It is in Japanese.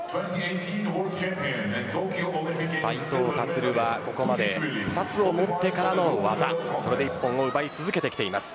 斉藤立がここまで２つを持ってからの技それで一本を奪い続けてきています。